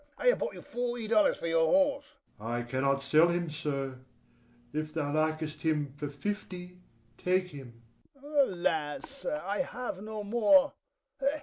I have brought you forty dollars for your horse. FAUSTUS. I cannot sell him so: if thou likest him for fifty, take him. HORSE COURSER. Alas, sir, I have no more!